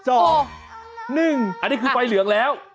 อันนี้คือไฟเหลืองแล้ว